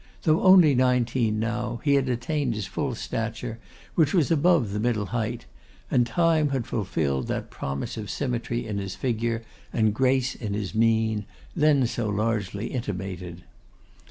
Though only nineteen now, he had attained his full stature, which was above the middle height, and time had fulfilled that promise of symmetry in his figure, and grace in his mien, then so largely intimated.